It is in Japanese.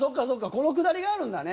このくだりがあるんだね。